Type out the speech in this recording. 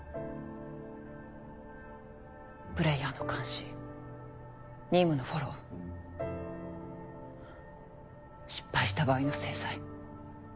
プレイヤーの監視任務のフォロー失敗した場合の制裁。